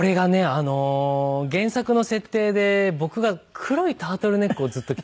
あの原作の設定で僕が黒いタートルネックをずっと着てるんですよ。